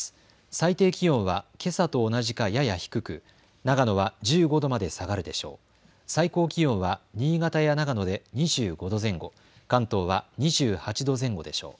最低気温はけさと同じかやや低く長野は１５度まで下がるでしょう。